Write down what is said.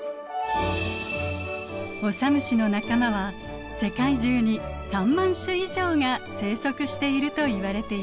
オサムシの仲間は世界中に３万種以上が生息しているといわれています。